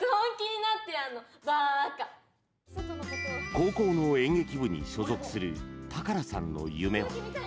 高校の演劇部に所属する高良さんの夢は。